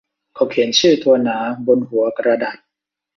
เขาเขียนชื่อตัวหนาบนหัวกระดาษ